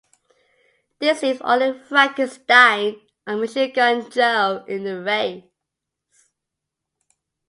This leaves only Frankenstein and Machine Gun Joe in the race.